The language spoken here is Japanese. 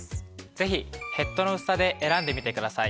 ぜひヘッドの薄さで選んでみてください。